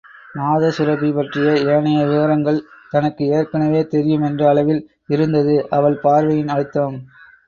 நாதசுரபி பற்றிய ஏனைய விவரங்கள் தனக்கு ஏற்கெனவே தெரியும் என்ற அளவில் இருந்தது அவள் பார்வையின் அழுத்தம்.